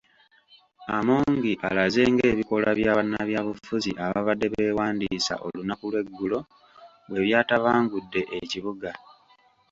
Amongi alaze ng'ebikolwa bya bannabyabufuzi ababadde beewandiisa olunaku lw'eggulo bwebyatabangudde ekibuga.